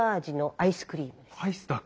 アイスだけ？